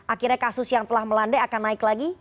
akhirnya kasus yang telah melandai akan naik lagi